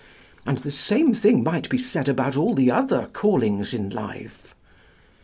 And the same thing might be said about all the other callings in life.